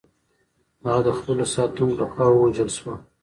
هغه د خپلو ساتونکو لخوا ووژل شوه.